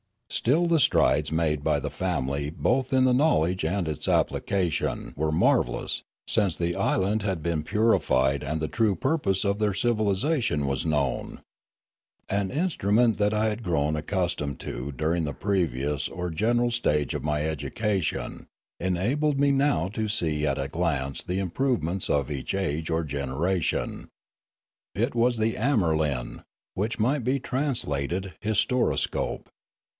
Still the strides made by the family both in the knowledge and its application were marvellous, since the island had been purified and the true purpose of their civilisation was known. An instrument that I 84 Limanora had grown accustomed to during the previous or gen eral stage of my education enabled me now to see at a glance the improvements of each age or generation. It was the amnierlin, which might be translated his toroscope.